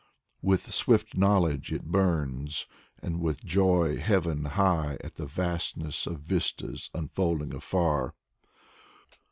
With swift knowledge it burns, and with joy heaven high At the vastness of vistas unfolding afar.